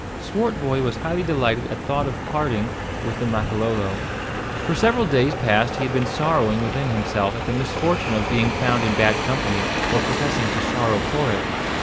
Swartboy was highly delighted at thought of parting with the Makololo. For several days past he had been sorrowing within himself at the misfortune of being found in bad company, or professing to sorrow for it.